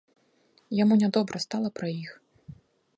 Яму нядобра стала пры іх.